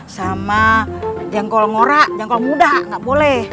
sama jengkol ngorak jengkol muda nggak boleh